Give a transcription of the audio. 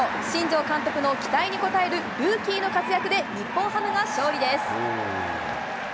新庄監督の期待に応えるルーキーの活躍で日本ハムが勝利です。